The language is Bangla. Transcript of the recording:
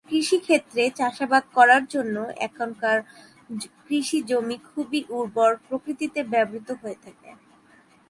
কৃষিক্ষেত্রে চাষাবাদ করার জন্য এখানকার কৃষি জমি খুবই উর্বর প্রকৃতিতে ব্যবহৃত হয়ে থাকে।